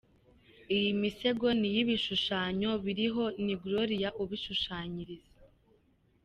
Iyi misego n'ibishushanyo biriho ni Gloria ubyishushanyiriza.